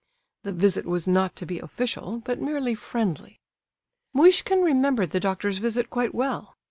The visit was not to be official, but merely friendly. Muishkin remembered the doctor's visit quite well.